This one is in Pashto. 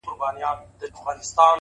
خوله د ملا ښه ده